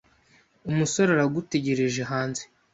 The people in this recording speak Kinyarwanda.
Umusore aragutegereje hanze.